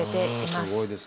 すごいですね。